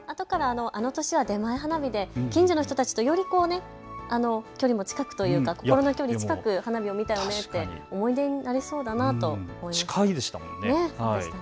あの都市は出前花火で近所の人たちとより距離も近くというか心の距離も近く花火を見たよねと思い出になりそうだなと思いました。